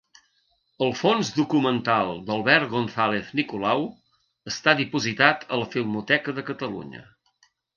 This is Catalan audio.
El fons documental d'Albert González Nicolau està dipositat a la Filmoteca de Catalunya.